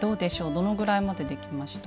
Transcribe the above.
どのぐらいまでできました？